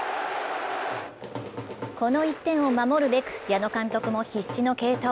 この１点を守るべく矢野監督も必死の継投。